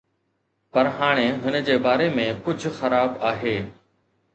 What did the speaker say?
پر هاڻي هن جي باري ۾ ڪجهه خراب آهي